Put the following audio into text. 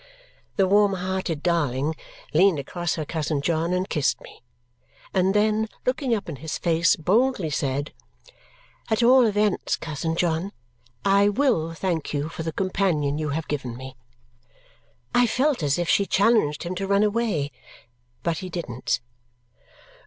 The warm hearted darling leaned across her cousin John and kissed me, and then looking up in his face, boldly said, "At all events, cousin John, I WILL thank you for the companion you have given me." I felt as if she challenged him to run away. But he didn't.